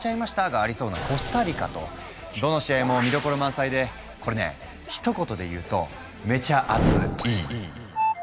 がありそうなコスタリカとどの試合も見どころ満載でこれねひと言で言うと「めちゃアツＥ」！